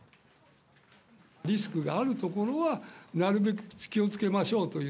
リスクがある所はなるべく気をつけましょうという。